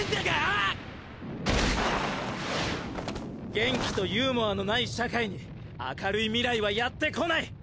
「元気とユーモアのない社会に明るい未来はやって来ない」。